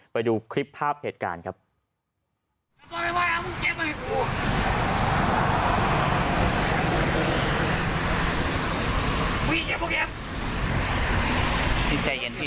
ลุยด้วยทุกน้องโบราณนี้